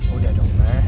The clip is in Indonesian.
boy kamu udah jengol clara